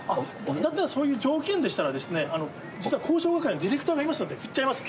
だったらそういう条件でしたらですね実は交渉係のディレクターがいますので振っちゃいます。